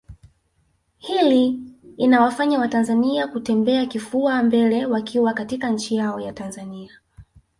Hli inayowafanya watanzania kutembea kifua mbele wakiwa katika nchi yao ya Tanzania